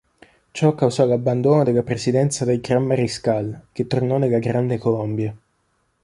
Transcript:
Ciò causò l'abbandono della presidenza del Gran Mariscal, che tornò nella Grande Colombia.